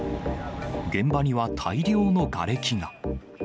現場には大量のがれきが。